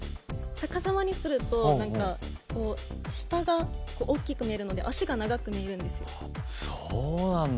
逆さまにすると下が大きく見えるので脚が長く見えるんですよそうなんだ